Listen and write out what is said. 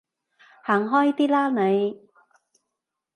行開啲啦你